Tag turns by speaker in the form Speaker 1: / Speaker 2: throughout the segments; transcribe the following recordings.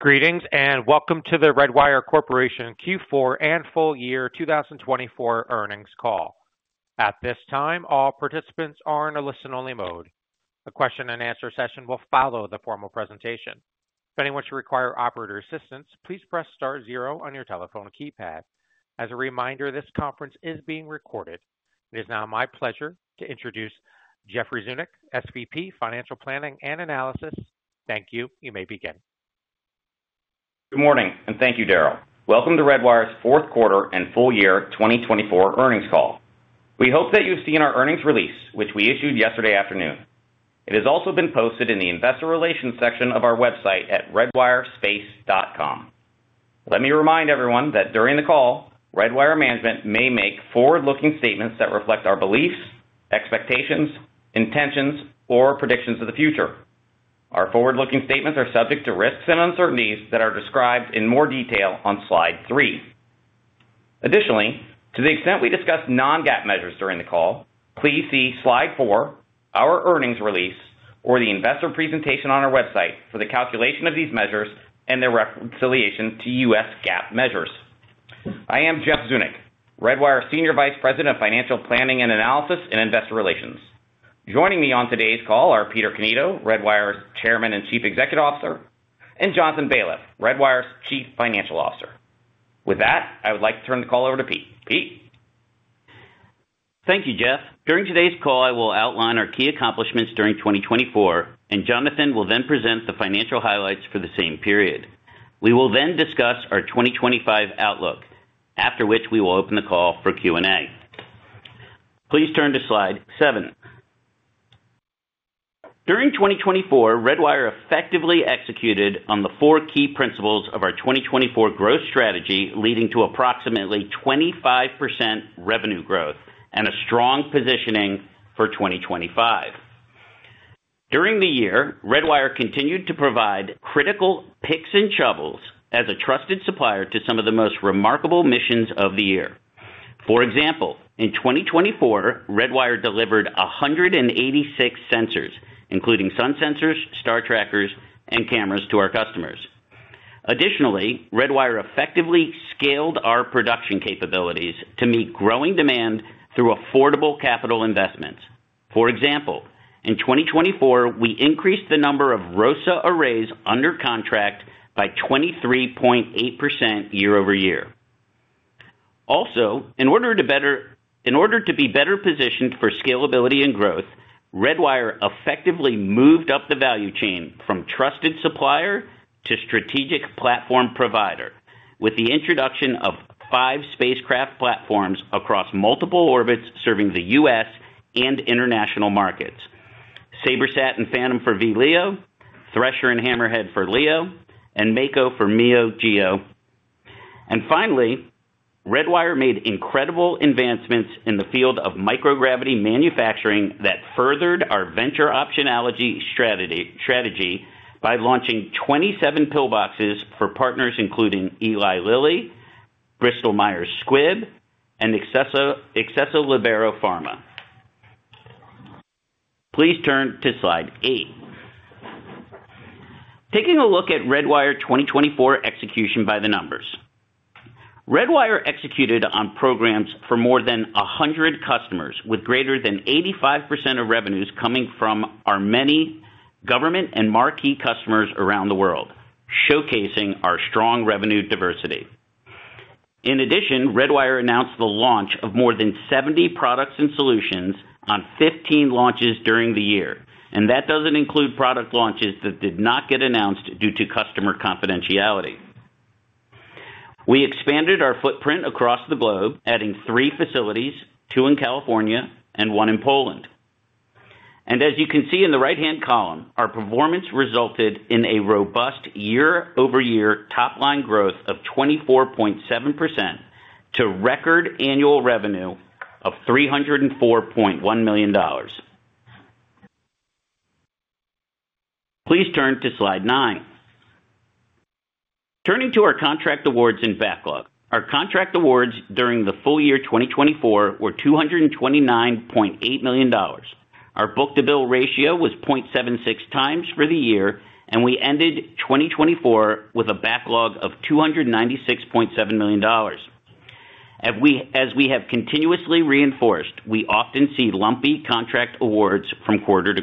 Speaker 1: Greetings and welcome to the Redwire Corporation Q4 and full year 2024 earnings call. At this time, all participants are in a listen-only mode. The question-and-answer session will follow the formal presentation. If anyone should require operator assistance, please press star zero on your telephone keypad. As a reminder, this conference is being recorded. It is now my pleasure to introduce Jeffrey Zeunik, SVP, Financial Planning and Analysis. Thank you. You may begin.
Speaker 2: Good morning, and thank you, Daryl. Welcome to Redwire's fourth quarter and full year 2024 earnings call. We hope that you've seen our earnings release, which we issued yesterday afternoon. It has also been posted in the investor relations section of our website at redwirespace.com. Let me remind everyone that during the call, Redwire management may make forward-looking statements that reflect our beliefs, expectations, intentions, or predictions of the future. Our forward-looking statements are subject to risks and uncertainties that are described in more detail on slide three. Additionally, to the extent we discuss non-GAAP measures during the call, please see slide four, our earnings release, or the investor presentation on our website for the calculation of these measures and their reconciliation to U.S. GAAP measures. I am Jeff Zeunik, Redwire Senior Vice President of Financial Planning and Analysis and Investor Relations. Joining me on today's call are Peter Cannito, Redwire's Chairman and Chief Executive Officer, and Jonathan Baliff, Redwire's Chief Financial Officer. With that, I would like to turn the call over to Pete. Pete.
Speaker 3: Thank you, Jeff. During today's call, I will outline our key accomplishments during 2024, and Jonathan will then present the financial highlights for the same period. We will then discuss our 2025 outlook, after which we will open the call for Q&A. Please turn to slide seven. During 2024, Redwire effectively executed on the four key principles of our 2024 growth strategy, leading to approximately 25% revenue growth and a strong positioning for 2025. During the year, Redwire continued to provide critical picks and shovels as a trusted supplier to some of the most remarkable missions of the year. For example, in 2024, Redwire delivered 186 sensors, including sun sensors, star trackers, and cameras to our customers. Additionally, Redwire effectively scaled our production capabilities to meet growing demand through affordable capital investments. For example, in 2024, we increased the number of ROSA arrays under contract by 23.8% year-over-year. Also, in order to be better positioned for scalability and growth, Redwire effectively moved up the value chain from trusted supplier to strategic platform provider with the introduction of five spacecraft platforms across multiple orbits serving the U.S. and international markets: SabreSat and Phantom for VLEO, Thresher and Hammerhead for LEO, and Mako for MEO/GEO. Finally, Redwire made incredible advancements in the field of microgravity manufacturing that furthered our venture optionality strategy by launching 27 pillboxes for partners including Eli Lilly, Bristol Myers Squibb, and ExesaLibero Pharma. Please turn to slide eight. Taking a look at Redwire 2024 execution by the numbers, Redwire executed on programs for more than 100 customers, with greater than 85% of revenues coming from our many government and marquee customers around the world, showcasing our strong revenue diversity. In addition, Redwire announced the launch of more than 70 products and solutions on 15 launches during the year, and that does not include product launches that did not get announced due to customer confidentiality. We expanded our footprint across the globe, adding three facilities, two in California and one in Poland. As you can see in the right-hand column, our performance resulted in a robust year-over-year top-line growth of 24.7% to record annual revenue of $304.1 million. Please turn to slide nine. Turning to our contract awards and backlog, our contract awards during the full year 2024 were $229.8 million. Our book-to-bill ratio was 0.76 times for the year, and we ended 2024 with a backlog of $296.7 million. As we have continuously reinforced, we often see lumpy contract awards from quarter to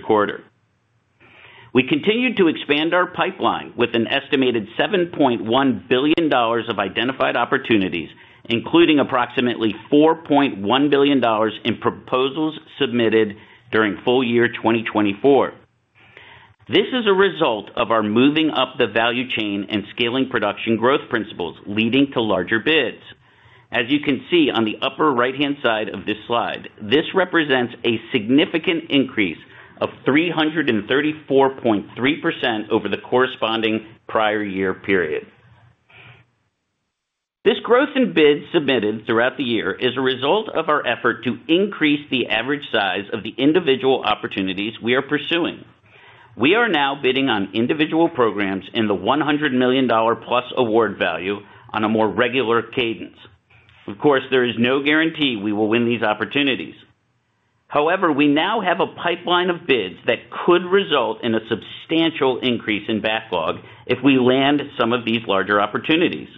Speaker 3: quarter. We continued to expand our pipeline with an estimated $7.1 billion of identified opportunities, including approximately $4.1 billion in proposals submitted during full year 2024. This is a result of our moving up the value chain and scaling production growth principles leading to larger bids. As you can see on the upper right-hand side of this slide, this represents a significant increase of 334.3% over the corresponding prior year period. This growth in bids submitted throughout the year is a result of our effort to increase the average size of the individual opportunities we are pursuing. We are now bidding on individual programs in the $100 million-plus award value on a more regular cadence. Of course, there is no guarantee we will win these opportunities. However, we now have a pipeline of bids that could result in a substantial increase in backlog if we land some of these larger opportunities.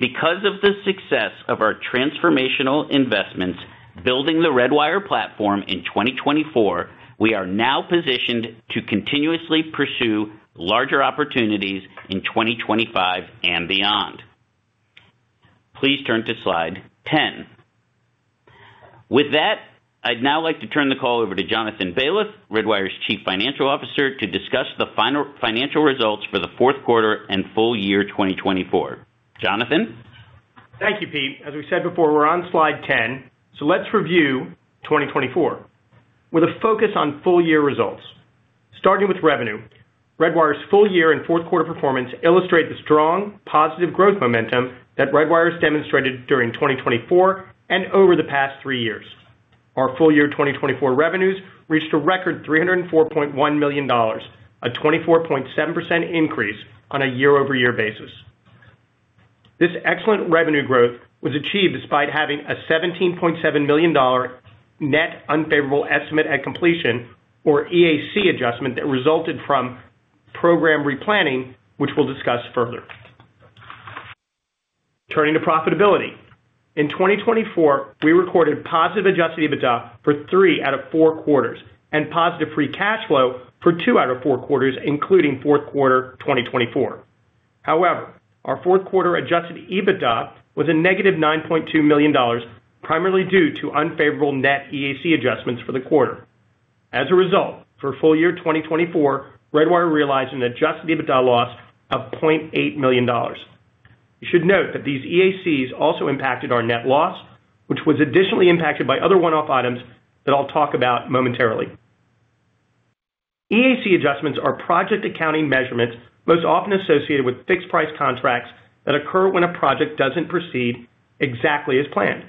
Speaker 3: Because of the success of our transformational investments building the Redwire platform in 2024, we are now positioned to continuously pursue larger opportunities in 2025 and beyond. Please turn to slide 10. With that, I'd now like to turn the call over to Jonathan Baliff, Redwire's Chief Financial Officer, to discuss the final financial results for the fourth quarter and full year 2024. Jonathan?
Speaker 4: Thank you, Pete. As we said before, we're on slide 10, so let's review 2024 with a focus on full year results. Starting with revenue, Redwire's full year and fourth quarter performance illustrate the strong positive growth momentum that Redwire has demonstrated during 2024 and over the past three years. Our full year 2024 revenues reached a record $304.1 million, a 24.7% increase on a year-over-year basis. This excellent revenue growth was achieved despite having a $17.7 million net unfavorable estimate at completion, or EAC adjustment, that resulted from program replanning, which we'll discuss further. Turning to profitability, in 2024, we recorded positive adjusted EBITDA for three out of four quarters and positive free cash flow for two out of four quarters, including fourth quarter 2024. However, our fourth quarter adjusted EBITDA was a negative $9.2 million, primarily due to unfavorable net EAC adjustments for the quarter. As a result, for full year 2024, Redwire realized an adjusted EBITDA loss of $0.8 million. You should note that these EACs also impacted our net loss, which was additionally impacted by other one-off items that I'll talk about momentarily. EAC adjustments are project accounting measurements most often associated with fixed-price contracts that occur when a project doesn't proceed exactly as planned.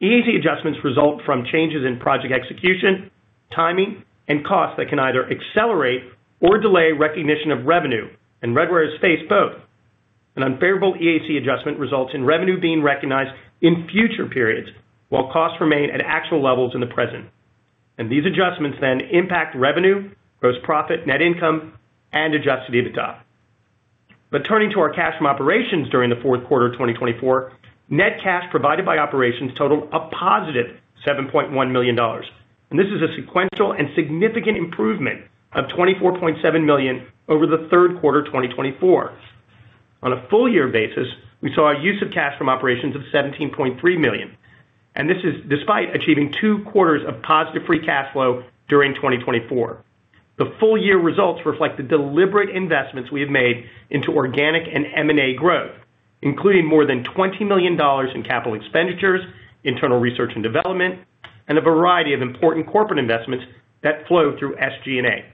Speaker 4: EAC adjustments result from changes in project execution, timing, and costs that can either accelerate or delay recognition of revenue, and Redwire has faced both. An unfavorable EAC adjustment results in revenue being recognized in future periods while costs remain at actual levels in the present. These adjustments then impact revenue, gross profit, net income, and adjusted EBITDA. Turning to our cash from operations during the fourth quarter 2024, net cash provided by operations totaled a positive $7.1 million. This is a sequential and significant improvement of $24.7 million over the third quarter 2024. On a full year basis, we saw a use of cash from operations of $17.3 million, and this is despite achieving two quarters of positive free cash flow during 2024. The full year results reflect the deliberate investments we have made into organic and M&A growth, including more than $20 million in capital expenditures, internal research and development, and a variety of important corporate investments that flow through SG&A.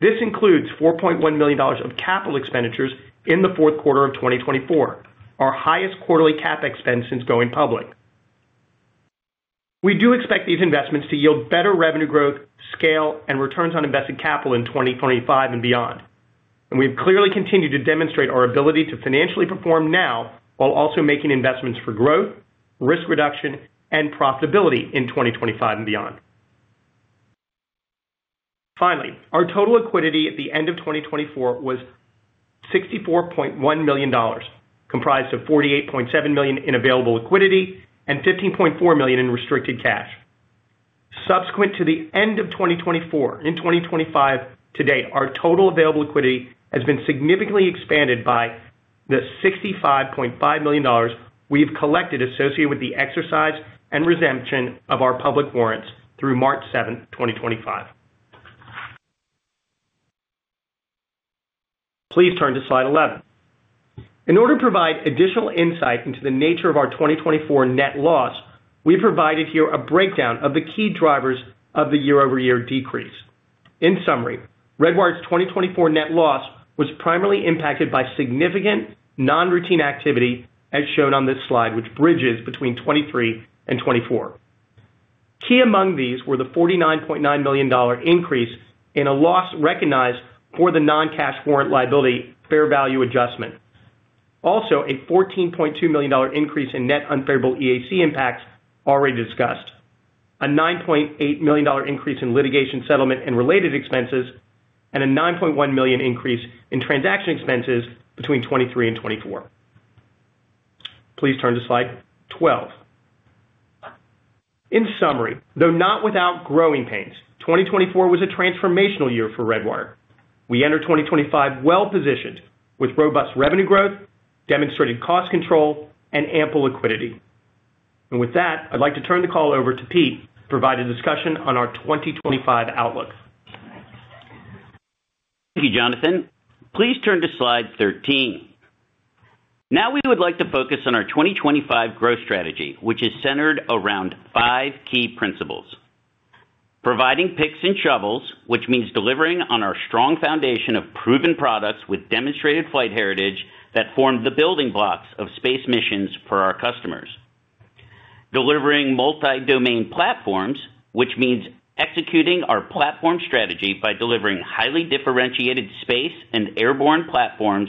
Speaker 4: This includes $4.1 million of capital expenditures in the fourth quarter of 2024, our highest quarterly cap expense since going public. We do expect these investments to yield better revenue growth, scale, and returns on invested capital in 2025 and beyond. We have clearly continued to demonstrate our ability to financially perform now while also making investments for growth, risk reduction, and profitability in 2025 and beyond. Finally, our total liquidity at the end of 2024 was $64.1 million, comprised of $48.7 million in available liquidity and $15.4 million in restricted cash. Subsequent to the end of 2024, in 2025 today, our total available liquidity has been significantly expanded by the $65.5 million we have collected associated with the exercise and resumption of our public warrants through March 7, 2025. Please turn to slide 11. In order to provide additional insight into the nature of our 2024 net loss, we provided here a breakdown of the key drivers of the year-over-year decrease. In summary, Redwire's 2024 net loss was primarily impacted by significant non-routine activity, as shown on this slide, which bridges between 2023 and 2024. Key among these were the $49.9 million increase in a loss recognized for the non-cash warrant liability fair value adjustment. Also, a $14.2 million increase in net unfavorable EAC impacts already discussed, a $9.8 million increase in litigation settlement and related expenses, and a $9.1 million increase in transaction expenses between 2023 and 2024. Please turn to slide 12. In summary, though not without growing pains, 2024 was a transformational year for Redwire. We entered 2025 well-positioned with robust revenue growth, demonstrated cost control, and ample liquidity. With that, I'd like to turn the call over to Pete to provide a discussion on our 2025 outlook.
Speaker 3: Thank you, Jonathan. Please turn to slide 13. Now we would like to focus on our 2025 growth strategy, which is centered around five key principles: providing picks and shovels, which means delivering on our strong foundation of proven products with demonstrated flight heritage that form the building blocks of space missions for our customers; delivering multi-domain platforms, which means executing our platform strategy by delivering highly differentiated space and airborne platforms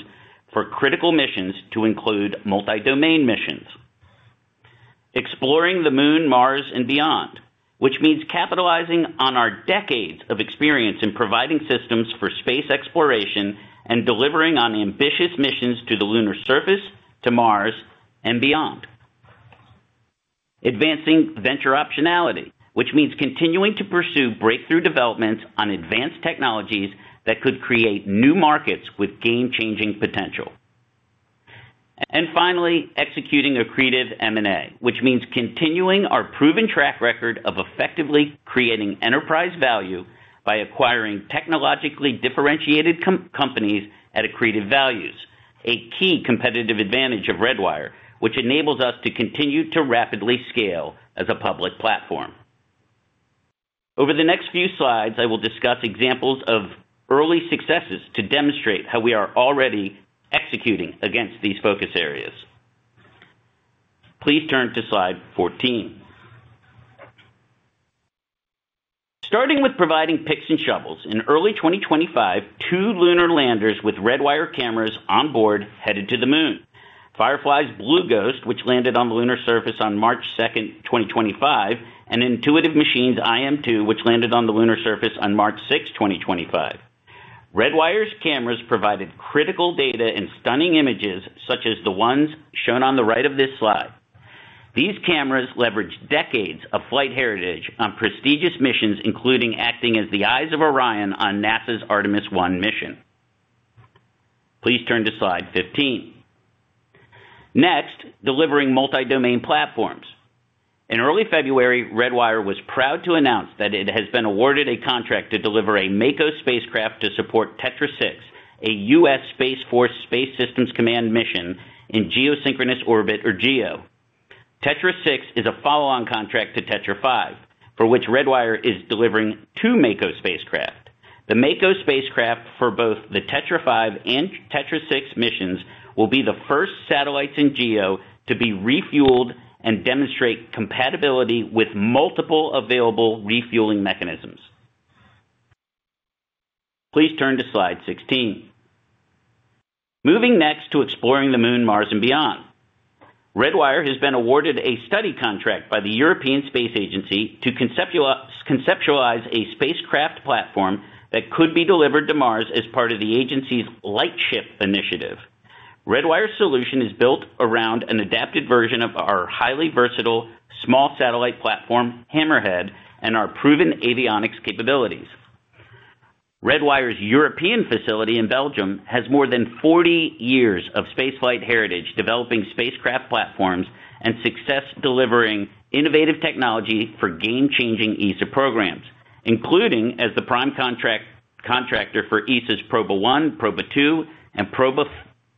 Speaker 3: for critical missions to include multi-domain missions; exploring the Moon, Mars, and beyond, which means capitalizing on our decades of experience in providing systems for space exploration and delivering on ambitious missions to the lunar surface, to Mars, and beyond; advancing venture optionality, which means continuing to pursue breakthrough developments on advanced technologies that could create new markets with game-changing potential; and finally, executing a creative M&A, which means continuing our proven track record of effectively creating enterprise value by acquiring technologically differentiated companies at accredited values, a key competitive advantage of Redwire, which enables us to continue to rapidly scale as a public platform. Over the next few slides, I will discuss examples of early successes to demonstrate how we are already executing against these focus areas. Please turn to slide 14. Starting with providing picks and shovels, in early 2025, two lunar landers with Redwire cameras on board headed to the Moon: Firefly's Blue Ghost, which landed on the lunar surface on March 2, 2025, and Intuitive Machines' IM-2, which landed on the lunar surface on March 6, 2025. Redwire's cameras provided critical data and stunning images, such as the ones shown on the right of this slide. These cameras leveraged decades of flight heritage on prestigious missions, including acting as the Eyes of Orion on NASA's Artemis 1 mission. Please turn to slide 15. Next, delivering multi-domain platforms. In early February, Redwire was proud to announce that it has been awarded a contract to deliver a Mako spacecraft to support TETRA-6, a U.S. Space Force Space Systems Command mission in geosynchronous orbit, or GEO. TETRA-6 is a follow-on contract to TETRA-5, for which Redwire is delivering two Mako spacecraft. The Mako spacecraft for both the TETRA-5 and TETRA-6 missions will be the first satellites in GEO to be refueled and demonstrate compatibility with multiple available refueling mechanisms. Please turn to slide 16. Moving next to exploring the Moon, Mars, and beyond, Redwire has been awarded a study contract by the European Space Agency to conceptualize a spacecraft platform that could be delivered to Mars as part of the agency's LightShip initiative. Redwire's solution is built around an adapted version of our highly versatile small satellite platform, Hammerhead, and our proven avionics capabilities. Redwire's European facility in Belgium has more than 40 years of spaceflight heritage developing spacecraft platforms and success delivering innovative technology for game-changing ESA programs, including as the prime contractor for ESA's PROBA-1, PROBA-2, and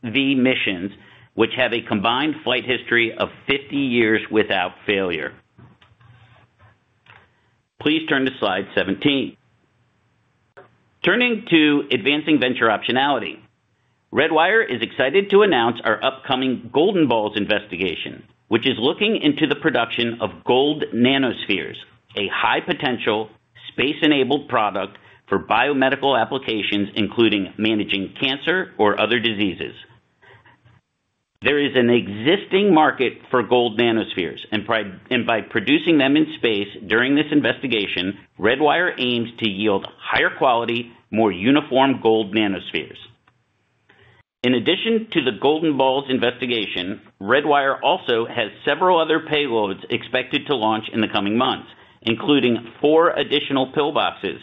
Speaker 3: PROBA-V missions, which have a combined flight history of 50 years without failure. Please turn to slide 17. Turning to advancing venture optionality, Redwire is excited to announce our upcoming Golden Balls investigation, which is looking into the production of gold nanospheres, a high-potential space-enabled product for biomedical applications, including managing cancer or other diseases. There is an existing market for gold nanospheres, and by producing them in space during this investigation, Redwire aims to yield higher quality, more uniform gold nanospheres. In addition to the Golden Balls investigation, Redwire also has several other payloads expected to launch in the coming months, including four additional pillboxes,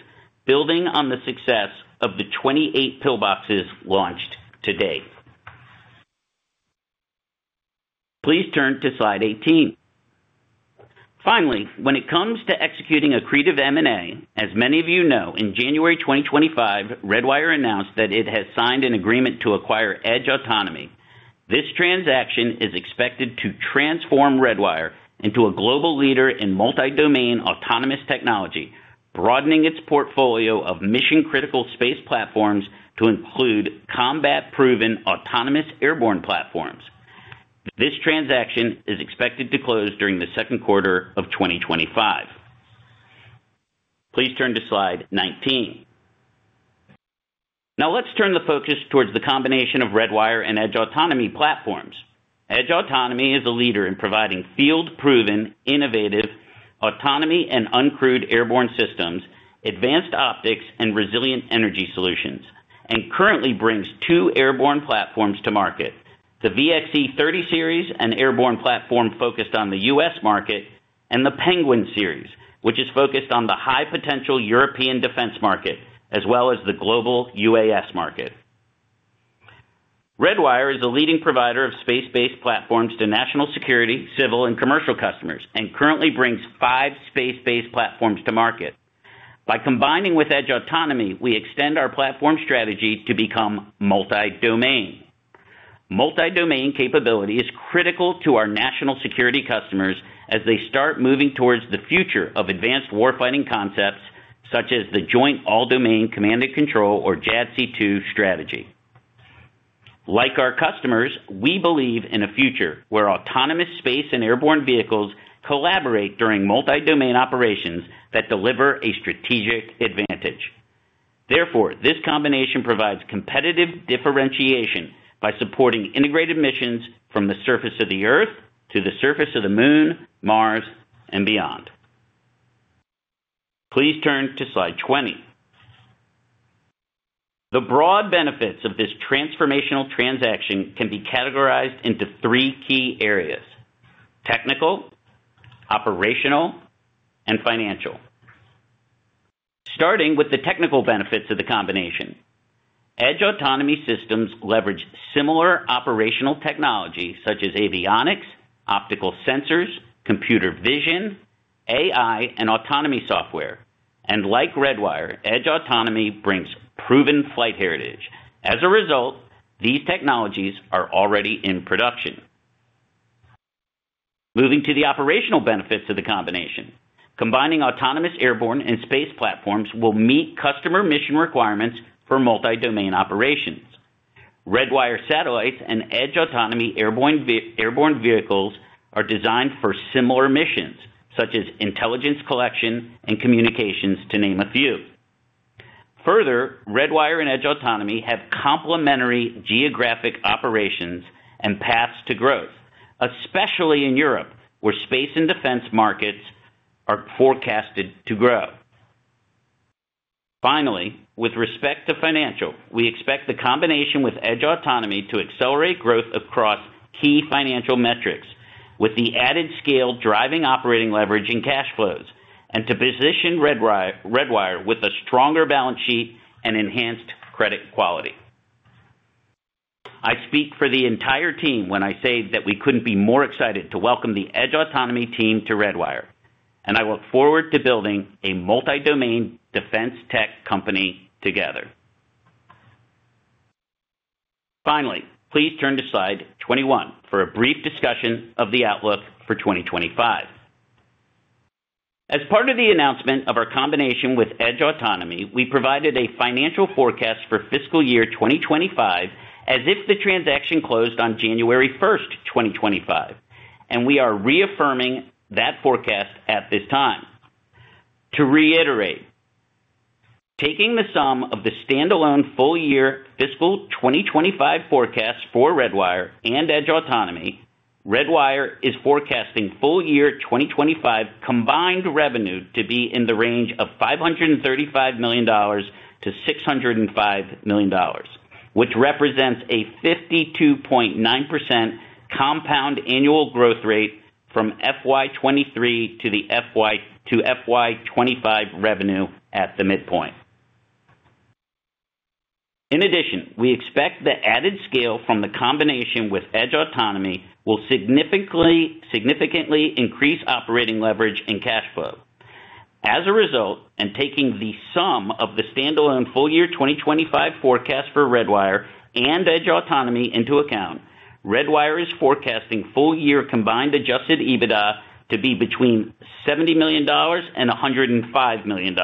Speaker 3: building on the success of the 28 pillboxes launched today. Please turn to slide 18. Finally, when it comes to executing a creative M&A, as many of you know, in January 2025, Redwire announced that it has signed an agreement to acquire Edge Autonomy. This transaction is expected to transform Redwire into a global leader in multi-domain autonomous technology, broadening its portfolio of mission-critical space platforms to include combat-proven autonomous airborne platforms. This transaction is expected to close during the second quarter of 2025. Please turn to slide 19. Now let's turn the focus towards the combination of Redwire and Edge Autonomy platforms. Edge Autonomy is a leader in providing field-proven, innovative autonomy and uncrewed airborne systems, advanced optics, and resilient energy solutions, and currently brings two airborne platforms to market: the VXE-30 series, an airborne platform focused on the U.S. market, and the Penguin series, which is focused on the high-potential European defense market, as well as the global UAS market. Redwire is a leading provider of space-based platforms to national security, civil, and commercial customers, and currently brings five space-based platforms to market. By combining with Edge Autonomy, we extend our platform strategy to become multi-domain. Multi-domain capability is critical to our national security customers as they start moving towards the future of advanced warfighting concepts such as the Joint All-Domain Command and Control, or JADC2, strategy. Like our customers, we believe in a future where autonomous space and airborne vehicles collaborate during multi-domain operations that deliver a strategic advantage. Therefore, this combination provides competitive differentiation by supporting integrated missions from the surface of the Earth to the surface of the Moon, Mars, and beyond. Please turn to slide 20. The broad benefits of this transformational transaction can be categorized into three key areas: technical, operational, and financial. Starting with the technical benefits of the combination, Edge Autonomy systems leverage similar operational technology such as avionics, optical sensors, computer vision, AI, and autonomy software. Like Redwire, Edge Autonomy brings proven flight heritage. As a result, these technologies are already in production. Moving to the operational benefits of the combination, combining autonomous airborne and space platforms will meet customer mission requirements for multi-domain operations. Redwire satellites and Edge Autonomy airborne vehicles are designed for similar missions, such as intelligence collection and communications, to name a few. Further, Redwire and Edge Autonomy have complementary geographic operations and paths to growth, especially in Europe, where space and defense markets are forecasted to grow. Finally, with respect to financial, we expect the combination with Edge Autonomy to accelerate growth across key financial metrics, with the added scale driving operating leverage and cash flows, and to position Redwire with a stronger balance sheet and enhanced credit quality. I speak for the entire team when I say that we couldn't be more excited to welcome the Edge Autonomy team to Redwire, and I look forward to building a multi-domain defense tech company together. Finally, please turn to slide 21 for a brief discussion of the outlook for 2025. As part of the announcement of our combination with Edge Autonomy, we provided a financial forecast for fiscal year 2025 as if the transaction closed on January 1, 2025, and we are reaffirming that forecast at this time. To reiterate, taking the sum of the standalone full-year fiscal 2025 forecasts for Redwire and Edge Autonomy, Redwire is forecasting full-year 2025 combined revenue to be in the range of $535 million-$605 million, which represents a 52.9% compound annual growth rate from FY 2023 to FY 2025 revenue at the midpoint. In addition, we expect the added scale from the combination with Edge Autonomy will significantly increase operating leverage and cash flow. As a result, and taking the sum of the standalone full-year 2025 forecast for Redwire and Edge Autonomy into account, Redwire is forecasting full-year combined adjusted EBITDA to be between $70 million and $105 million,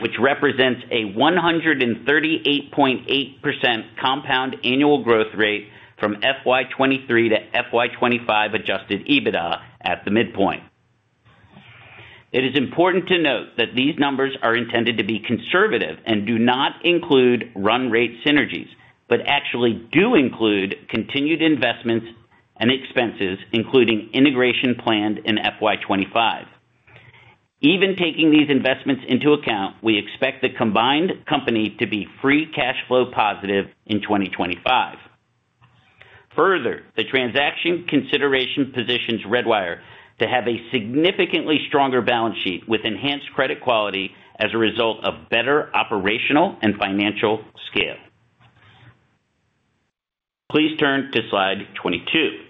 Speaker 3: which represents a 138.8% compound annual growth rate from FY 2023 to FY 2025 adjusted EBITDA at the midpoint. It is important to note that these numbers are intended to be conservative and do not include run rate synergies, but actually do include continued investments and expenses, including integration planned in FY2025. Even taking these investments into account, we expect the combined company to be free cash flow positive in 2025. Further, the transaction consideration positions Redwire to have a significantly stronger balance sheet with enhanced credit quality as a result of better operational and financial scale. Please turn to slide 22.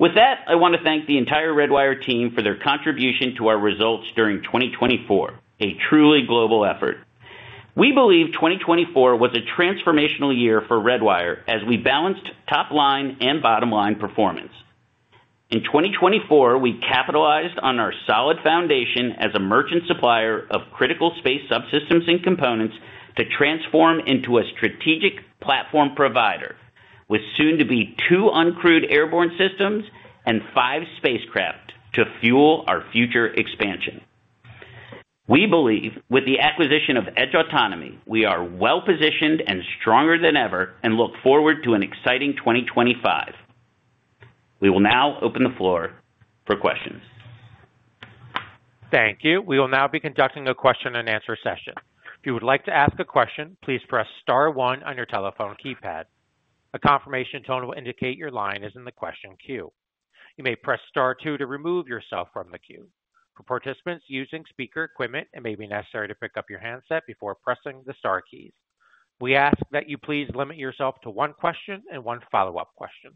Speaker 3: With that, I want to thank the entire Redwire team for their contribution to our results during 2024, a truly global effort. We believe 2024 was a transformational year for Redwire as we balanced top-line and bottom-line performance. In 2024, we capitalized on our solid foundation as a merchant supplier of critical space subsystems and components to transform into a strategic platform provider with soon-to-be two uncrewed airborne systems and five spacecraft to fuel our future expansion. We believe with the acquisition of Edge Autonomy, we are well-positioned and stronger than ever and look forward to an exciting 2025. We will now open the floor for questions.
Speaker 1: Thank you. We will now be conducting a question-and-answer session. If you would like to ask a question, please press star one on your telephone keypad. A confirmation tone will indicate your line is in the question queue. You may press star two to remove yourself from the queue. For participants using speaker equipment, it may be necessary to pick up your handset before pressing the Star keys. We ask that you please limit yourself to one question and one follow-up question.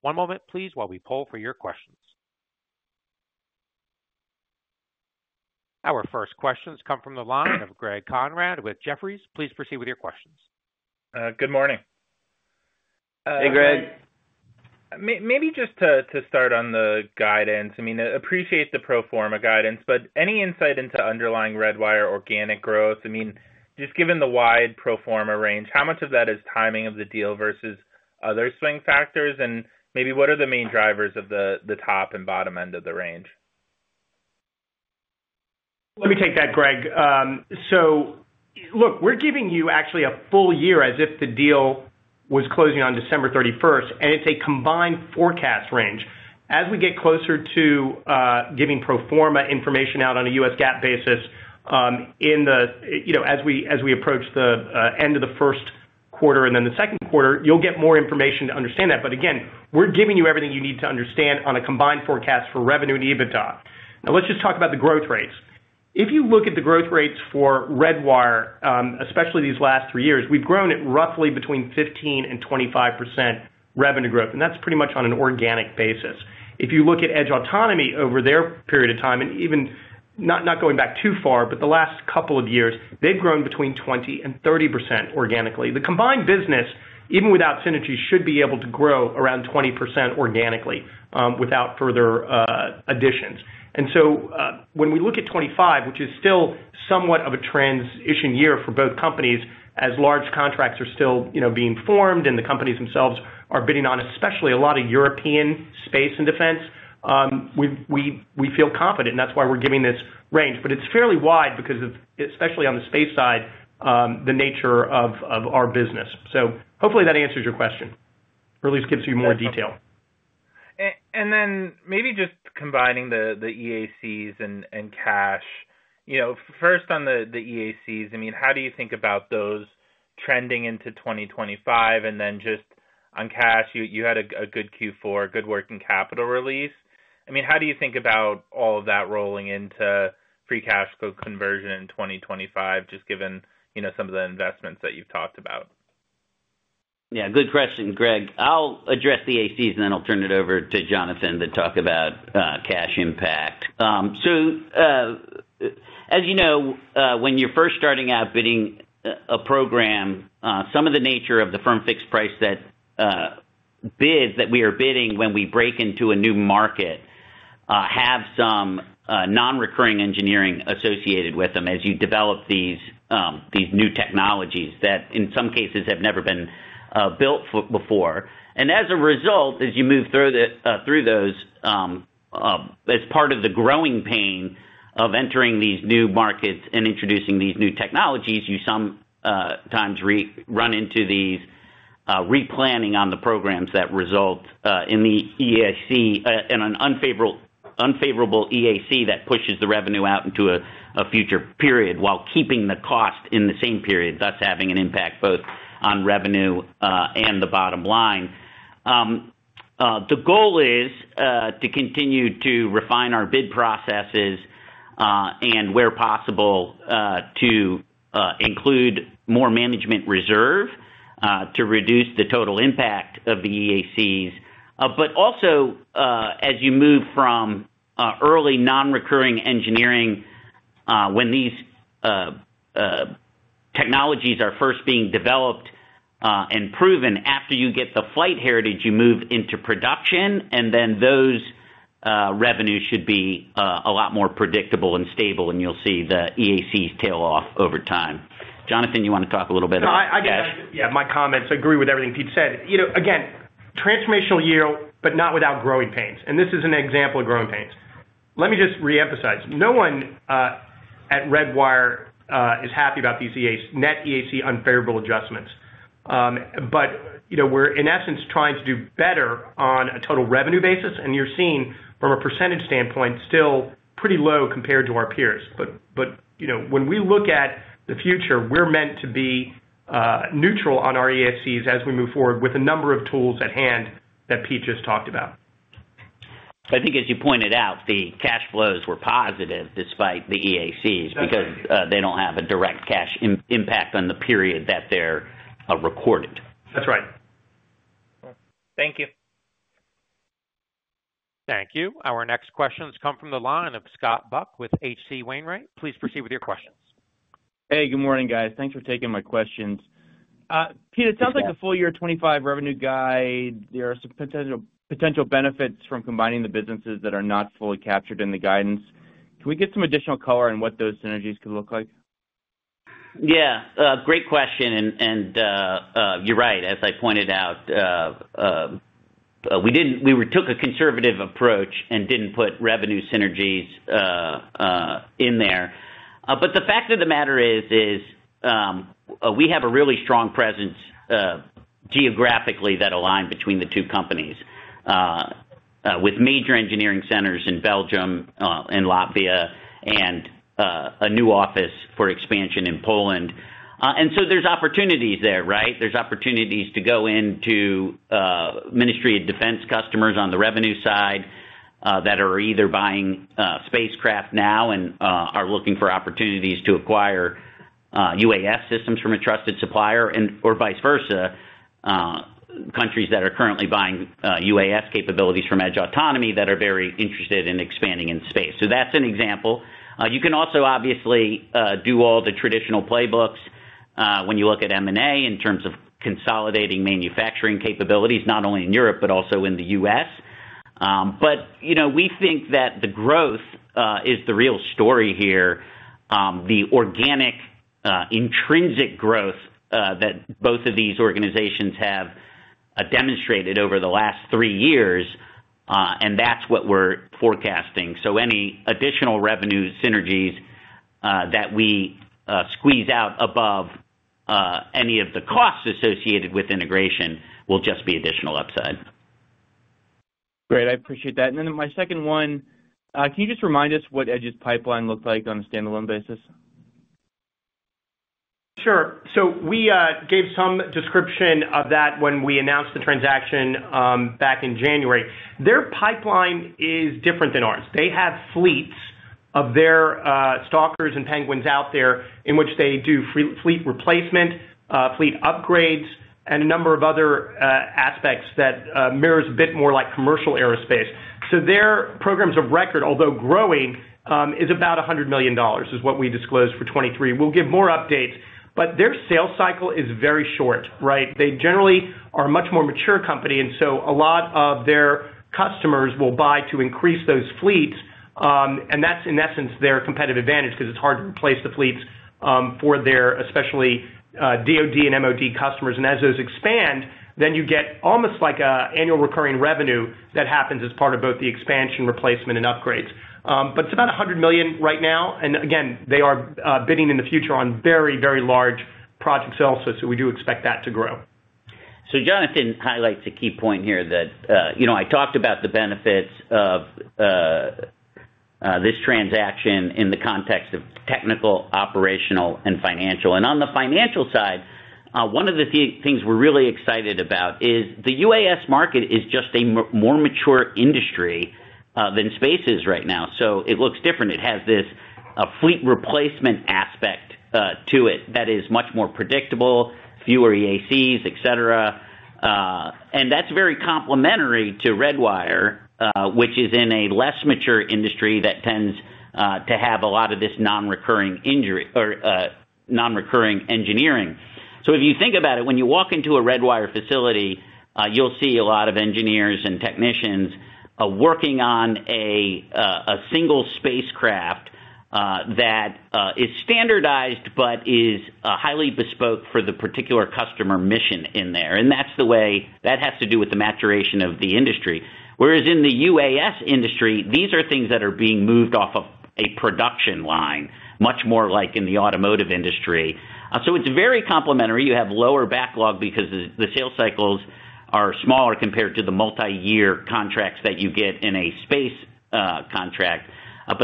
Speaker 1: One moment, please, while we poll for your questions. Our first questions come from the line of Greg Konrad with Jefferies. Please proceed with your questions.
Speaker 5: Good morning.
Speaker 3: Hey, Greg.
Speaker 5: Maybe just to start on the guidance. I mean, I appreciate the pro forma guidance, but any insight into underlying Redwire organic growth? I mean, just given the wide pro forma range, how much of that is timing of the deal versus other swing factors? Maybe what are the main drivers of the top and bottom end of the range?
Speaker 4: Let me take that, Greg. Look, we're giving you actually a full year as if the deal was closing on December 31, and it's a combined forecast range. As we get closer to giving pro forma information out on a US GAAP basis as we approach the end of the first quarter and then the second quarter, you'll get more information to understand that. Again, we're giving you everything you need to understand on a combined forecast for revenue and EBITDA. Now let's just talk about the growth rates. If you look at the growth rates for Redwire, especially these last three years, we've grown at roughly between 15% and 25% revenue growth, and that's pretty much on an organic basis. If you look at Edge Autonomy over their period of time, and even not going back too far, but the last couple of years, they've grown between 20% and 30% organically. The combined business, even without synergies, should be able to grow around 20% organically without further additions. When we look at 2025, which is still somewhat of a transition year for both companies as large contracts are still being formed and the companies themselves are bidding on especially a lot of European space and defense, we feel confident, and that's why we're giving this range. It is fairly wide because of, especially on the space side, the nature of our business. Hopefully that answers your question, or at least gives you more detail.
Speaker 5: Maybe just combining the EACs and cash. First, on the EACs, I mean, how do you think about those trending into 2025? And then just on cash, you had a good Q4, good working capital release. I mean, how do you think about all of that rolling into free cash flow conversion in 2025, just given some of the investments that you've talked about?
Speaker 3: Yeah. Good question, Greg. I'll address the EACs, and then I'll turn it over to Jonathan to talk about cash impact. As you know, when you're first starting out bidding a program, some of the nature of the firm fixed price that we are bidding when we break into a new market have some non-recurring engineering associated with them as you develop these new technologies that in some cases have never been built before. As a result, as you move through those, as part of the growing pain of entering these new markets and introducing these new technologies, you sometimes run into these replanning on the programs that result in an unfavorable EAC that pushes the revenue out into a future period while keeping the cost in the same period, thus having an impact both on revenue and the bottom line. The goal is to continue to refine our bid processes and, where possible, to include more management reserve to reduce the total impact of the EACs. Also, as you move from early non-recurring engineering, when these technologies are first being developed and proven, after you get the flight heritage, you move into production, and then those revenues should be a lot more predictable and stable, and you'll see the EACs tail off over time. Jonathan, you want to talk a little bit about that?
Speaker 4: Yeah. My comments agree with everything Pete said. Again, transformational year, but not without growing pains. This is an example of growing pains. Let me just reemphasize. No one at Redwire is happy about these net EAC unfavorable adjustments. We are, in essence, trying to do better on a total revenue basis, and you're seeing, from a percentage standpoint, still pretty low compared to our peers. When we look at the future, we're meant to be neutral on our EACs as we move forward with a number of tools at hand that Pete just talked about.
Speaker 2: I think, as you pointed out, the cash flows were positive despite the EACs because they do not have a direct cash impact on the period that they're recorded.
Speaker 4: That's right.
Speaker 5: Thank you.
Speaker 1: Thank you. Our next questions come from the line of Scott Buck with H.C. Wainwright. Please proceed with your questions.
Speaker 6: Hey, good morning, guys. Thanks for taking my questions. Pete, it sounds like a full-year 2025 revenue guide. There are some potential benefits from combining the businesses that are not fully captured in the guidance. Can we get some additional color on what those synergies could look like?
Speaker 3: Yeah. Great question. You're right. As I pointed out, we took a conservative approach and did not put revenue synergies in there. The fact of the matter is we have a really strong presence geographically that aligns between the two companies, with major engineering centers in Belgium and Latvia and a new office for expansion in Poland. There are opportunities there, right? There's opportunities to go into Ministry of Defense customers on the revenue side that are either buying spacecraft now and are looking for opportunities to acquire UAS systems from a trusted supplier or vice versa, countries that are currently buying UAS capabilities from Edge Autonomy that are very interested in expanding in space. That's an example. You can also, obviously, do all the traditional playbooks when you look at M&A in terms of consolidating manufacturing capabilities, not only in Europe but also in the U.S. We think that the growth is the real story here, the organic intrinsic growth that both of these organizations have demonstrated over the last three years, and that's what we're forecasting. Any additional revenue synergies that we squeeze out above any of the costs associated with integration will just be additional upside.
Speaker 6: Great. I appreciate that. Then my second one, can you just remind us what Edge's pipeline looked like on a standalone basis?
Speaker 4: Sure. We gave some description of that when we announced the transaction back in January. Their pipeline is different than ours. They have fleets of their Stalkers and Penguins out there in which they do fleet replacement, fleet upgrades, and a number of other aspects that mirrors a bit more like commercial aerospace. Their programs of record, although growing, is about $100 million is what we disclosed for 2023. We will give more updates. Their sales cycle is very short, right? They generally are a much more mature company, and a lot of their customers will buy to increase those fleets. That is, in essence, their competitive advantage because it is hard to replace the fleets for their especially DOD and MOD customers. As those expand, you get almost like an annual recurring revenue that happens as part of both the expansion, replacement, and upgrades. It is about $100 million right now. They are bidding in the future on very, very large projects also. We do expect that to grow.
Speaker 2: Jonathan highlights a key point here that I talked about, the benefits of this transaction in the context of technical, operational, and financial. On the financial side, one of the things we are really excited about is the UAS market is just a more mature industry than space is right now. It looks different. It has this fleet replacement aspect to it that is much more predictable, fewer EACs, etc. That is very complementary to Redwire, which is in a less mature industry that tends to have a lot of this non-recurring engineering. If you think about it, when you walk into a Redwire facility, you'll see a lot of engineers and technicians working on a single spacecraft that is standardized but is highly bespoke for the particular customer mission in there. That's the way that has to do with the maturation of the industry. Whereas in the UAS industry, these are things that are being moved off of a production line, much more like in the automotive industry. It's very complementary. You have lower backlog because the sales cycles are smaller compared to the multi-year contracts that you get in a space contract.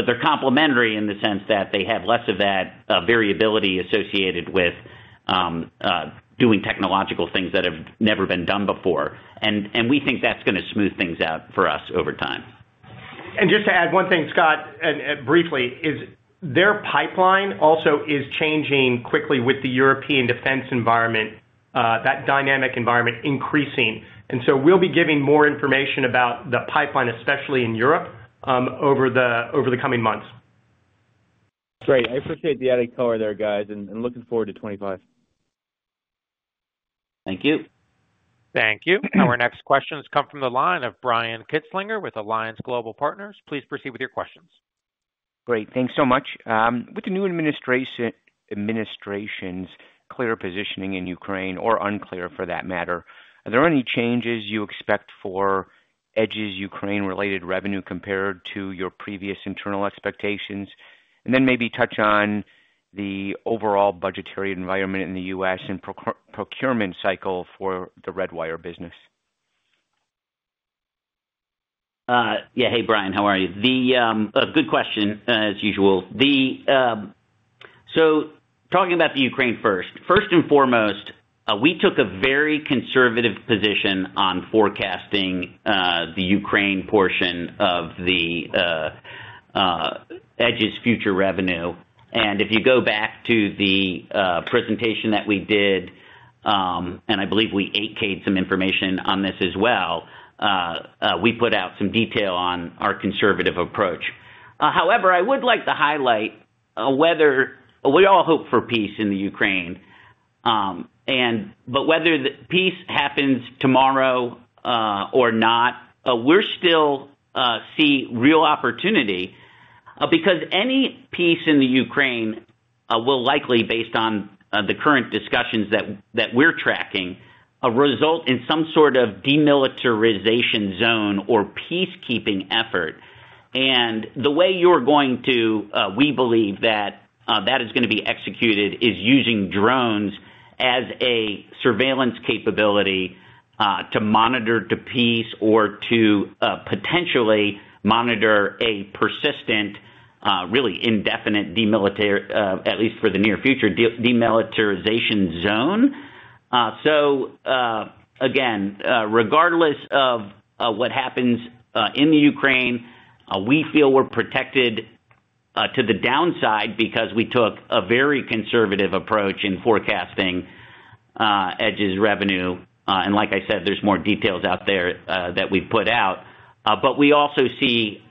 Speaker 2: They're complementary in the sense that they have less of that variability associated with doing technological things that have never been done before. We think that's going to smooth things out for us over time.
Speaker 4: Just to add one thing, Scott, briefly, their pipeline also is changing quickly with the European defense environment, that dynamic environment increasing. We will be giving more information about the pipeline, especially in Europe, over the coming months.
Speaker 6: Great. I appreciate the added color there, guys, and looking forward to 2025.
Speaker 3: Thank you.
Speaker 1: Thank you. Our next questions come from the line of Brian Kinstlinger with Alliance Global Partners. Please proceed with your questions.
Speaker 7: Great. Thanks so much. With the new administration's clear positioning in Ukraine, or unclear for that matter, are there any changes you expect for Edge's Ukraine-related revenue compared to your previous internal expectations? Maybe touch on the overall budgetary environment in the U.S. and procurement cycle for the Redwire business.
Speaker 3: Yeah. Hey, Brian. How are you? Good question, as usual. Talking about the Ukraine first, first and foremost, we took a very conservative position on forecasting the Ukraine portion of Edge's future revenue. If you go back to the presentation that we did, and I believe we 8-K'd some information on this as well, we put out some detail on our conservative approach. However, I would like to highlight whether we all hope for peace in the Ukraine. Whether peace happens tomorrow or not, we still see real opportunity because any peace in the Ukraine will likely, based on the current discussions that we are tracking, result in some sort of demilitarization zone or peacekeeping effort. The way you're going to, we believe that that is going to be executed is using drones as a surveillance capability to monitor to peace or to potentially monitor a persistent, really indefinite, at least for the near future, demilitarization zone. Again, regardless of what happens in Ukraine, we feel we're protected to the downside because we took a very conservative approach in forecasting Edge's revenue. Like I said, there's more details out there that we've put out. We also see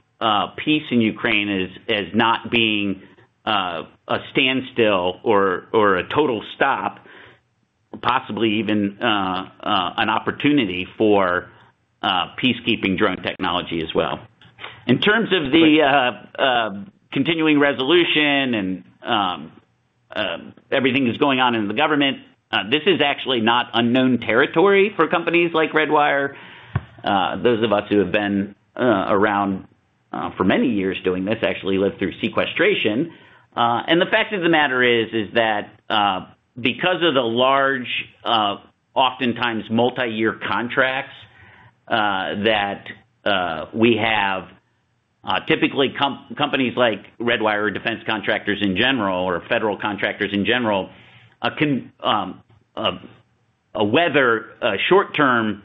Speaker 3: peace in Ukraine as not being a standstill or a total stop, possibly even an opportunity for peacekeeping drone technology as well. In terms of the continuing resolution and everything that's going on in the government, this is actually not unknown territory for companies like Redwire. Those of us who have been around for many years doing this actually lived through sequestration. The fact of the matter is that because of the large, oftentimes multi-year contracts that we have, typically companies like Redwire or defense contractors in general or federal contractors in general, whether short-term,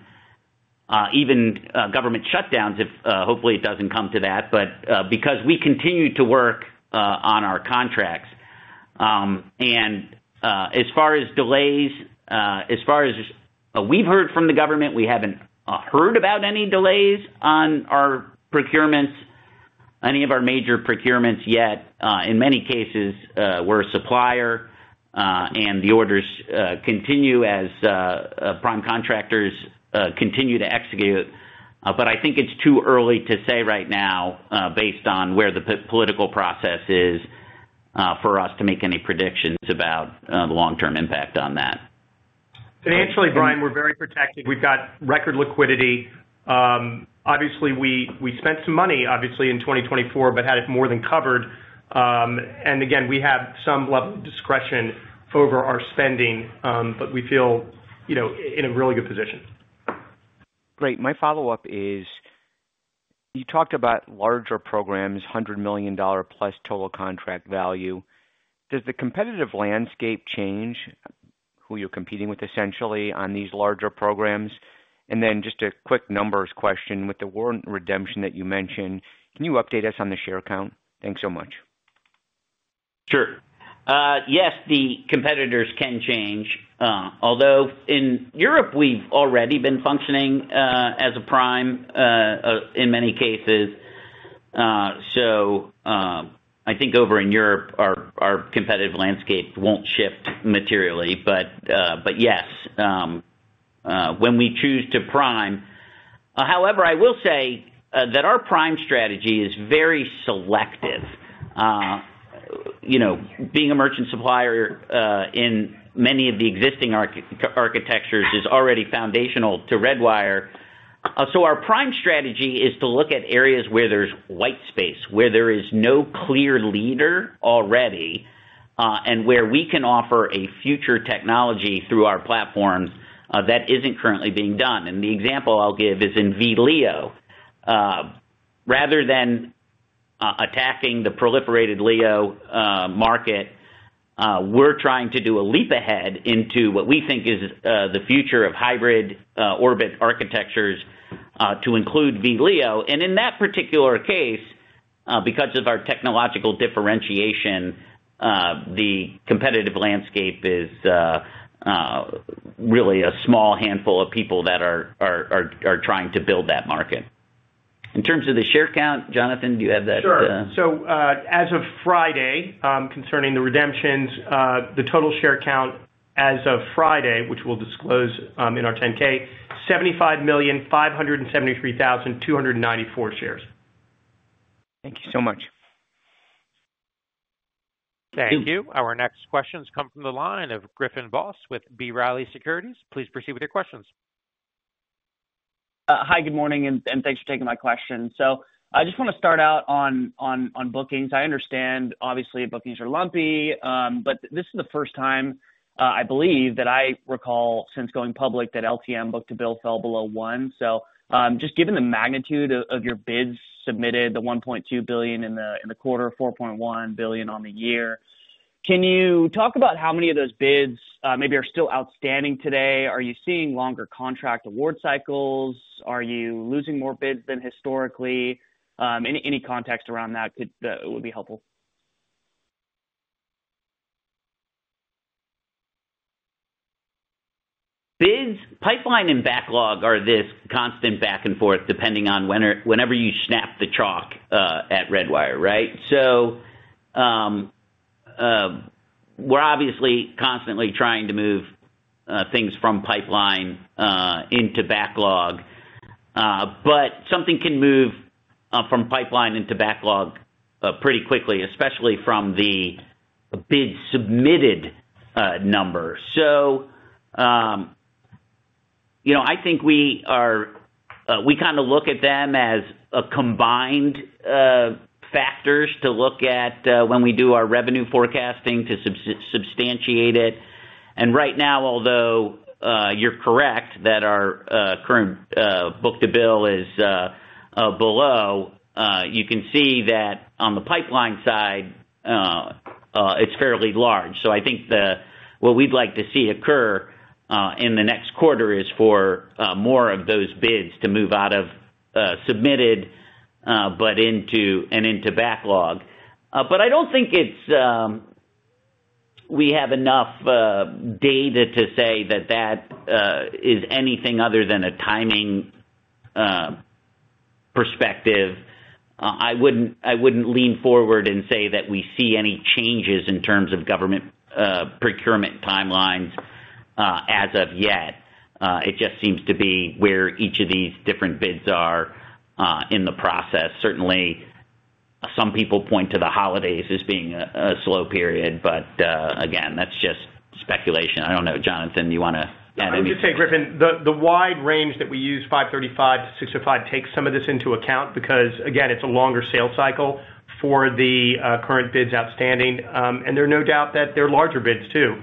Speaker 3: even government shutdowns, if hopefully it does not come to that, but because we continue to work on our contracts. As far as delays, as far as we have heard from the government, we have not heard about any delays on our procurements, any of our major procurements yet. In many cases, we are a supplier, and the orders continue as prime contractors continue to execute. I think it is too early to say right now, based on where the political process is, for us to make any predictions about the long-term impact on that.
Speaker 4: Financially, Brian, we are very protected. We have got record liquidity. Obviously, we spent some money, obviously, in 2024, but had it more than covered. Again, we have some level of discretion over our spending, but we feel in a really good position.
Speaker 7: Great. My follow-up is you talked about larger programs, $100 million plus total contract value. Does the competitive landscape change who you're competing with, essentially, on these larger programs? Just a quick numbers question with the warrant redemption that you mentioned. Can you update us on the share count? Thanks so much.
Speaker 3: Sure. Yes. The competitors can change. Although in Europe, we've already been functioning as a prime in many cases. I think over in Europe, our competitive landscape won't shift materially. Yes, when we choose to prime. However, I will say that our prime strategy is very selective. Being a merchant supplier in many of the existing architectures is already foundational to Redwire. Our prime strategy is to look at areas where there's white space, where there is no clear leader already, and where we can offer a future technology through our platform that isn't currently being done. The example I'll give is in VLEO. Rather than attacking the proliferated LEO market, we're trying to do a leap ahead into what we think is the future of hybrid orbit architectures to include VLEO. In that particular case, because of our technological differentiation, the competitive landscape is really a small handful of people that are trying to build that market. In terms of the share count, Jonathan, do you have that?
Speaker 4: Sure. As of Friday, concerning the redemptions, the total share count as of Friday, which we'll disclose in our 10-K, is 75,573,294 shares.
Speaker 7: Thank you so much.
Speaker 1: Thank you. Our next questions come from the line of Griffin Boss with B. Riley Securities. Please proceed with your questions.
Speaker 8: Hi. Good morning. Thanks for taking my question. I just want to start out on bookings. I understand, obviously, bookings are lumpy, but this is the first time, I believe that I recall since going public that LTM book-to-bill fell below one. Just given the magnitude of your bids submitted, the $1.2 billion in the quarter, $4.1 billion on the year, can you talk about how many of those bids maybe are still outstanding today? Are you seeing longer contract award cycles? Are you losing more bids than historically? Any context around that would be helpful.
Speaker 3: Bids, pipeline, and backlog are this constant back and forth depending on whenever you snap the chalk at Redwire, right? We're obviously constantly trying to move things from pipeline into backlog. Something can move from pipeline into backlog pretty quickly, especially from the bid submitted number. I think we kind of look at them as combined factors to look at when we do our revenue forecasting to substantiate it. Right now, although you're correct that our current book-to-bill is below, you can see that on the pipeline side, it's fairly large. I think what we'd like to see occur in the next quarter is for more of those bids to move out of submitted and into backlog. I don't think we have enough data to say that that is anything other than a timing perspective. I wouldn't lean forward and say that we see any changes in terms of government procurement timelines as of yet. It just seems to be where each of these different bids are in the process. Certainly, some people point to the holidays as being a slow period. Again, that's just speculation. I don't know. Jonathan, do you want to add anything?
Speaker 4: I would just say, Griffin, the wide range that we use, $535 million-$605 million, takes some of this into account because, again, it's a longer sale cycle for the current bids outstanding. There's no doubt that they're larger bids too.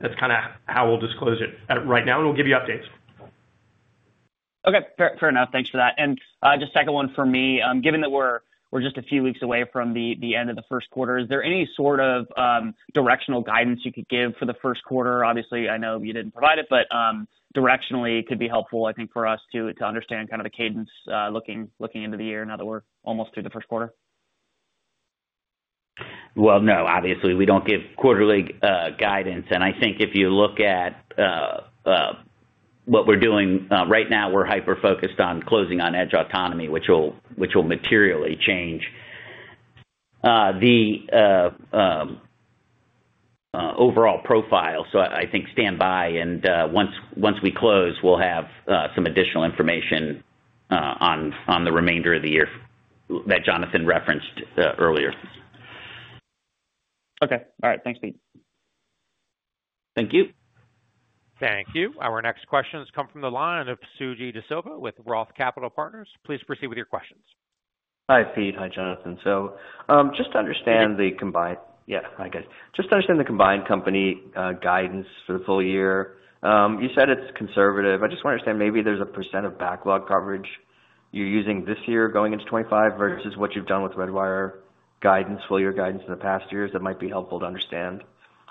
Speaker 4: That's kind of how we'll disclose it right now, and we'll give you updates.
Speaker 8: Okay. Fair enough. Thanks for that. Just second one for me, given that we're just a few weeks away from the end of the first quarter, is there any sort of directional guidance you could give for the first quarter? Obviously, I know you didn't provide it, but directionally could be helpful, I think, for us to understand kind of the cadence looking into the year now that we're almost through the first quarter.
Speaker 3: No, obviously, we don't give quarterly guidance. I think if you look at what we're doing right now, we're hyper-focused on closing on Edge Autonomy, which will materially change the overall profile. I think stand by, and once we close, we'll have some additional information on the remainder of the year that Jonathan referenced earlier.
Speaker 8: Okay. All right. Thanks, Pete.
Speaker 3: Thank you.
Speaker 1: Thank you. Our next questions come from the line of Suji Desilva with Roth Capital Partners. Please proceed with your questions.
Speaker 9: Hi, Pete. Hi, Jonathan. Just to understand the combined—yeah, I guess. Just to understand the combined company guidance for the full year. You said it's conservative. I just want to understand maybe there's a % of backlog coverage you're using this year going into 2025 versus what you've done with Redwire guidance, full year guidance in the past years. That might be helpful to understand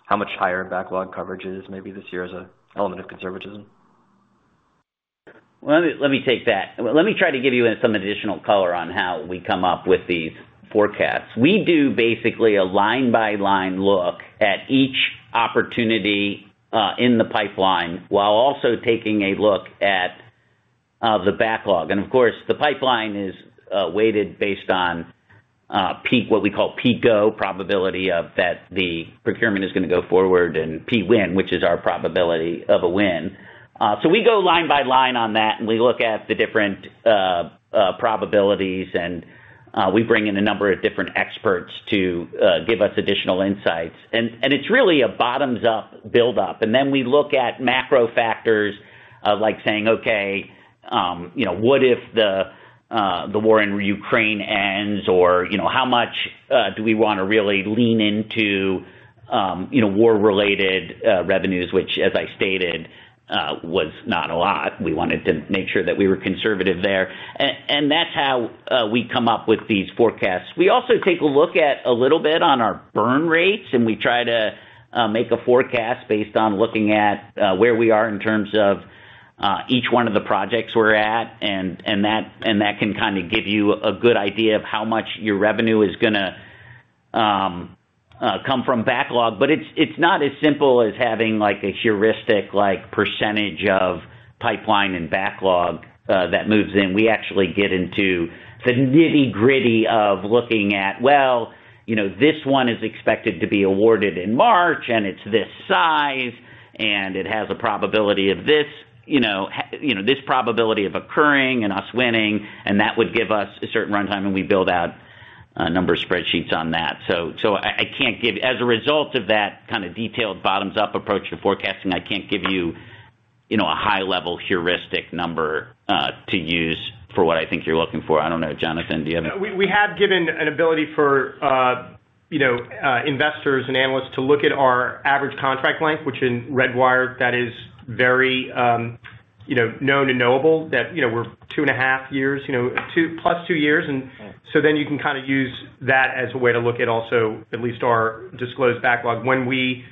Speaker 9: how much higher backlog coverage is maybe this year as an element of conservatism.
Speaker 3: Let me take that. Let me try to give you some additional color on how we come up with these forecasts. We do basically a line-by-line look at each opportunity in the pipeline while also taking a look at the backlog. Of course, the pipeline is weighted based on what we call PGO, probability of that the procurement is going to go forward, and PWIN, which is our probability of a win. We go line by line on that, and we look at the different probabilities, and we bring in a number of different experts to give us additional insights. It's really a bottoms-up build-up. Then we look at macro factors like saying, "Okay, what if the war in Ukraine ends?" or "How much do we want to really lean into war-related revenues?" which, as I stated, was not a lot. We wanted to make sure that we were conservative there. That's how we come up with these forecasts. We also take a look at a little bit on our burn rates, and we try to make a forecast based on looking at where we are in terms of each one of the projects we're at. That can kind of give you a good idea of how much your revenue is going to come from backlog. It is not as simple as having a heuristic percentage of pipeline and backlog that moves in. We actually get into the nitty-gritty of looking at, "Well, this one is expected to be awarded in March, and it is this size, and it has a probability of this probability of occurring and us winning," and that would give us a certain runtime, and we build out a number of spreadsheets on that. I cannot give you—as a result of that kind of detailed bottoms-up approach to forecasting, I cannot give you a high-level heuristic number to use for what I think you are looking for. I do not know, Jonathan, do you have?
Speaker 4: We have given an ability for investors and analysts to look at our average contract length, which in Redwire, that is very known and knowable that we are two and a half years, plus two years. You can kind of use that as a way to look at also at least our disclosed backlog. When we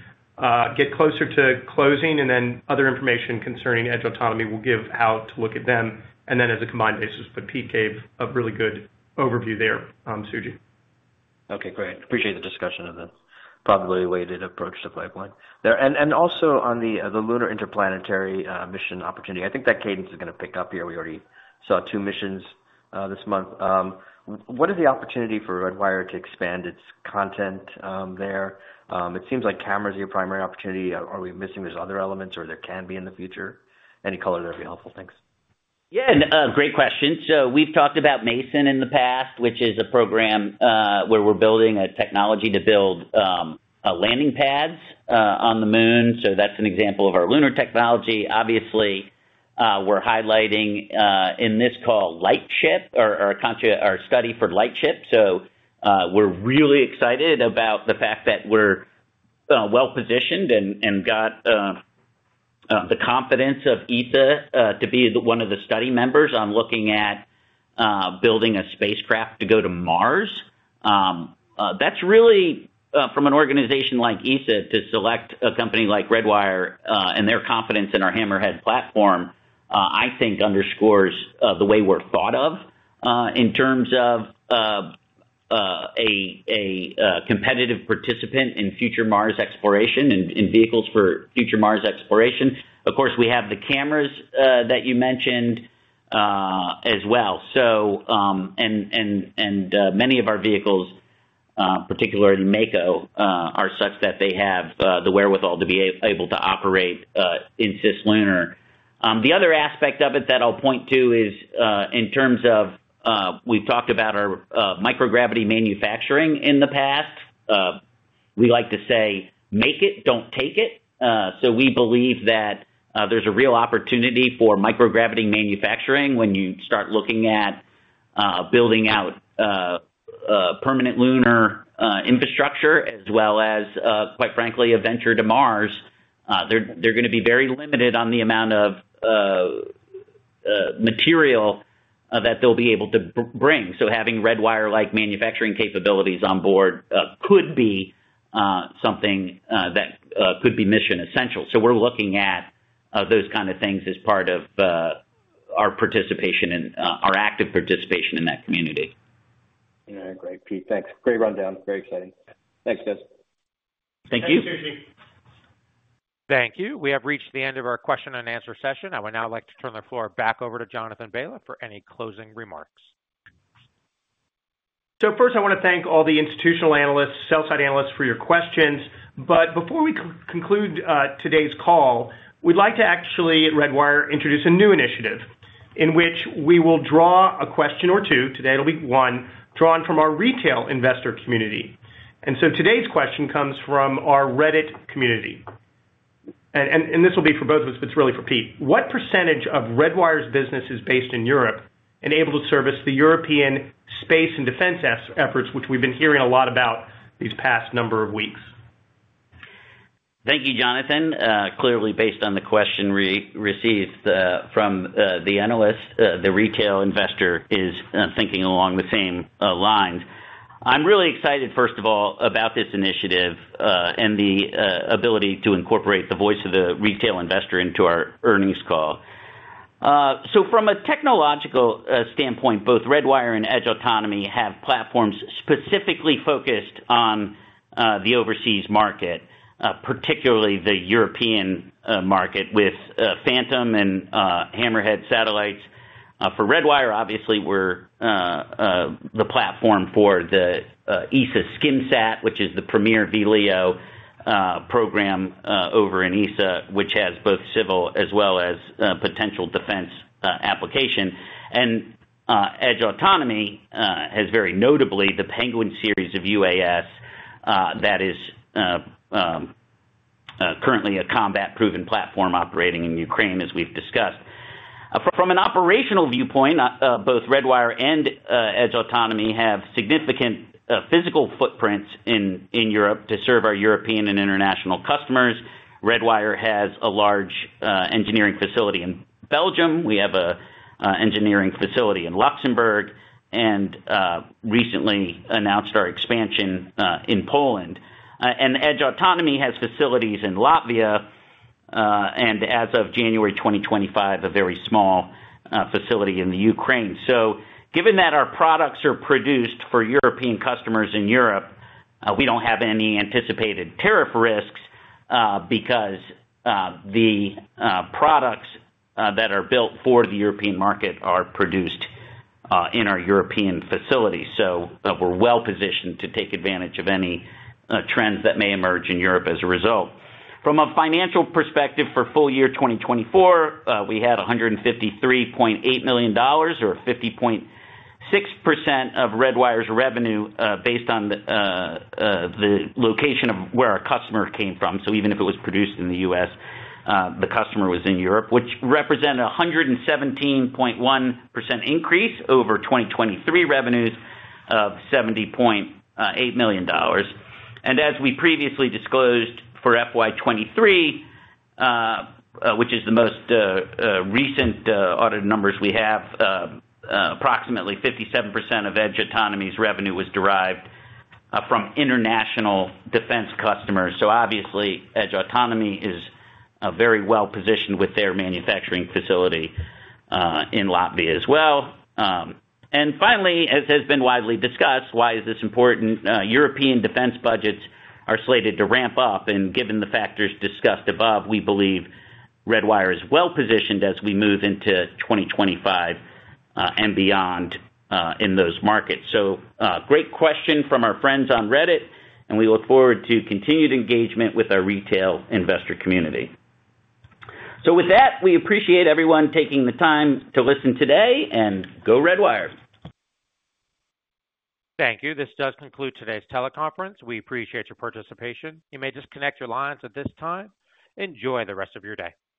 Speaker 4: get closer to closing, and then other information concerning Edge Autonomy, we will give how to look at them. Then as a combined basis, but Pete gave a really good overview there, Suji.
Speaker 9: Okay. Great. Appreciate the discussion of the probability-weighted approach to pipeline. Also on the lunar interplanetary mission opportunity, I think that cadence is going to pick up here. We already saw two missions this month. What is the opportunity for Redwire to expand its content there? It seems like cameras are your primary opportunity. Are we missing those other elements, or there can be in the future? Any color there would be helpful. Thanks.
Speaker 3: Yeah. Great question. We have talked about MASON in the past, which is a program where we are building a technology to build landing pads on the moon. That is an example of our lunar technology. Obviously, we are highlighting in this call LightShip or our study for LightShip. We are really excited about the fact that we are well-positioned and got the confidence of ESA to be one of the study members on looking at building a spacecraft to go to Mars. That is really, from an organization like ESA to select a company like Redwire and their confidence in our Hammerhead platform, I think underscores the way we are thought of in terms of a competitive participant in future Mars exploration and vehicles for future Mars exploration. Of course, we have the cameras that you mentioned as well. Many of our vehicles, particularly Mako, are such that they have the wherewithal to be able to operate in cislunar. The other aspect of it that I'll point to is in terms of we've talked about our microgravity manufacturing in the past. We like to say, "Make it, don't take it." We believe that there's a real opportunity for microgravity manufacturing when you start looking at building out permanent lunar infrastructure as well as, quite frankly, a venture to Mars. They're going to be very limited on the amount of material that they'll be able to bring. Having Redwire-like manufacturing capabilities on board could be something that could be mission essential. We're looking at those kinds of things as part of our active participation in that community.
Speaker 9: All right. Great, Pete. Thanks. Great rundown. Very exciting. Thanks, guys.
Speaker 3: Thank you.
Speaker 1: Thank you. We have reached the end of our question and answer session. I would now like to turn the floor back over to Jonathan Baliff for any closing remarks.
Speaker 4: First, I want to thank all the institutional analysts, sell-side analysts for your questions. Before we conclude today's call, we'd like to actually at Redwire introduce a new initiative in which we will draw a question or two. Today, it'll be one drawn from our retail investor community. Today's question comes from our Reddit community. This will be for both of us, but it's really for Pete. What percentage of Redwire's business is based in Europe and able to service the European space and defense efforts, which we've been hearing a lot about these past number of weeks?
Speaker 3: Thank you, Jonathan. Clearly, based on the question we received from the analyst, the retail investor is thinking along the same lines. I'm really excited, first of all, about this initiative and the ability to incorporate the voice of the retail investor into our earnings call. From a technological standpoint, both Redwire and Edge Autonomy have platforms specifically focused on the overseas market, particularly the European market with Phantom and Hammerhead satellites. For Redwire, obviously, we're the platform for the ESA SkimSat, which is the premier VLEO program over in ESA, which has both civil as well as potential defense application. Edge Autonomy has very notably the Penguin series of UAS that is currently a combat-proven platform operating in Ukraine, as we've discussed. From an operational viewpoint, both Redwire and Edge Autonomy have significant physical footprints in Europe to serve our European and international customers. Redwire has a large engineering facility in Belgium. We have an engineering facility in Luxembourg and recently announced our expansion in Poland. Edge Autonomy has facilities in Latvia and, as of January 2025, a very small facility in Ukraine. Given that our products are produced for European customers in Europe, we do not have any anticipated tariff risks because the products that are built for the European market are produced in our European facility. We are well-positioned to take advantage of any trends that may emerge in Europe as a result. From a financial perspective for full year 2024, we had $153.8 million or 50.6% of Redwire's revenue based on the location of where our customer came from. Even if it was produced in the U.S., the customer was in Europe, which represented a 117.1% increase over 2023 revenues of $70.8 million. As we previously disclosed for FY 2023, which is the most recent audit numbers we have, approximately 57% of Edge Autonomy's revenue was derived from international defense customers. Obviously, Edge Autonomy is very well-positioned with their manufacturing facility in Latvia as well. Finally, as has been widely discussed, why is this important? European defense budgets are slated to ramp up. Given the factors discussed above, we believe Redwire is well-positioned as we move into 2025 and beyond in those markets. Great question from our friends on Reddit, and we look forward to continued engagement with our retail investor community. With that, we appreciate everyone taking the time to listen today, and go Redwire.
Speaker 1: Thank you. This does conclude today's teleconference. We appreciate your participation. You may disconnect your lines at this time. Enjoy the rest of your day.